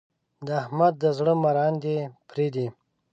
د احمد د زړه مراندې پرې دي.